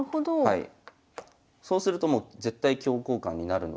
はい。